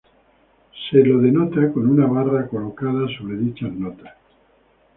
Se lo denota con una barra colocada sobre dichas notas.